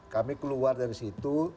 kami keluar dari situ